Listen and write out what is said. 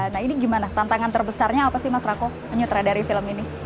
nah ini gimana tantangan terbesarnya apa sih mas rako menyutradari film ini